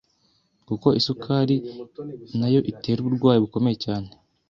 kuko isukari na yo itera uburwayi bukomeye cyane